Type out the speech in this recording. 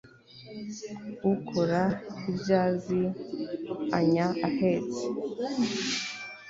ukora ibyo azi annya ahetse